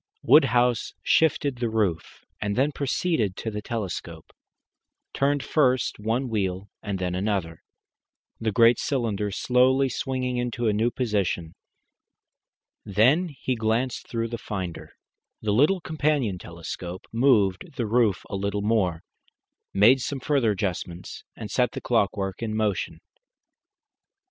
Woodhouse shifted the roof, and then proceeding to the telescope, turned first one wheel and then another, the great cylinder slowly swinging into a new position. Then he glanced through the finder, the little companion telescope, moved the roof a little more, made some further adjustments, and set the clockwork in motion.